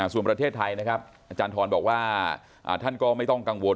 ส่วนประเทศไทยนะครับอาจารย์ทรบอกว่าท่านก็ไม่ต้องกังวล